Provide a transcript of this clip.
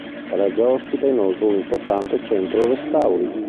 La reggia ospita inoltre un importante centro restauri.